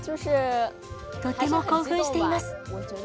とても興奮しています。